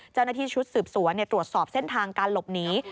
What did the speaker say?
เจ้าหน้าที่ชุดสืบสวนตรวจสอบเส้นทางการหลบหนี